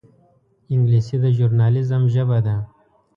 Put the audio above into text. انګلیسي د ژورنالېزم ژبه ده